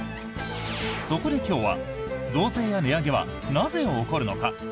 そこで今日は増税や値上げはなぜ起こるのか？